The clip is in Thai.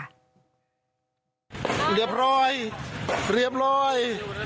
เรียบร้อยเรียบร้อย